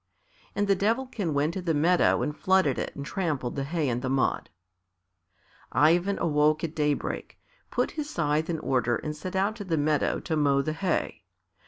And the Devilkin went to the meadow and flooded it and trampled the hay in the mud. Ivan awoke at daybreak, put his scythe in order and set out to the meadow to mow the hay.